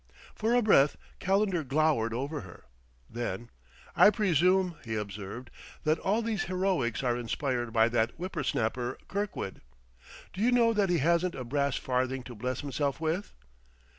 For a breath, Calendar glowered over her; then, "I presume," he observed, "that all these heroics are inspired by that whipper snapper, Kirkwood. Do you know that he hasn't a brass farthing to bless himself with?"